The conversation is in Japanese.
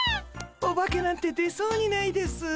オバケなんて出そうにないです。